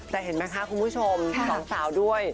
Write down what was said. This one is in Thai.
แต่เห็นไหมคะคุณผู้ชมสองสาวด้วย